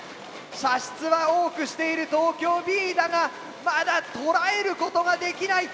射出は多くしている東京Ｂだがまだ捉えることができない。